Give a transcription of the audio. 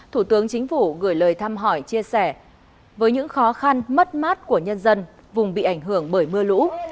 thủ tướng chính phủ gửi lời thăm hỏi chia sẻ với những khó khăn mất mát của nhân dân vùng bị ảnh hưởng bởi mưa lũ